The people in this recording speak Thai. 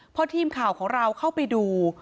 พอทีมข่าวของเราเข้าไปดู